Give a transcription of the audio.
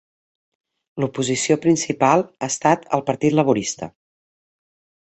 L'oposició principal ha estat el Partit Laborista.